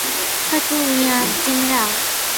How to win as a general.